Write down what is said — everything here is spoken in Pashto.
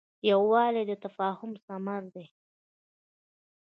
یووالی د تفاهم ثمره ده.